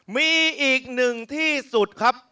มีอีกหนึ่งที่สุดครับ